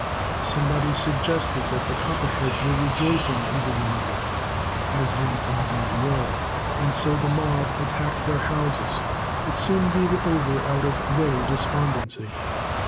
Somebody suggested that the Copperheads were rejoicing over the murder as they indeed were and so the mob attacked their houses, but soon gave it over, out of very despondency.